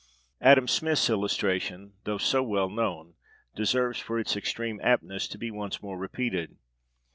Adam Smith's illustration, though so well known, deserves for its extreme aptness to be once more repeated.